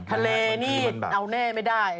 ทะเลนี่เอาแน่ไม่ได้